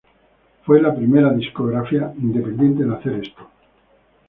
Fue la primera discográfica independiente en hacer esto.